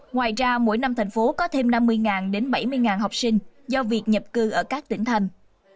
ngoài ra mỗi năm tp hcm có thêm năm mươi bảy mươi học sinh do việc nhập cư ở các tỉnh thành